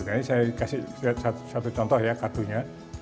kayaknya saya kasih satu contoh ya kartunya